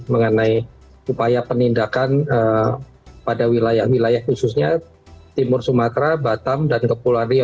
mengenai upaya penindakan pada wilayah wilayah khususnya timur sumatera batam dan kepulauan riau